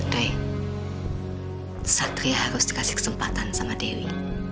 baik satria harus dikasih kesempatan sama dewi